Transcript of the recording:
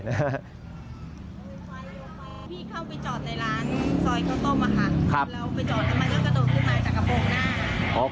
สวัสดีครับท่านพี่เข้าไปจอดในร้านซอยเค้าต้มค่ะ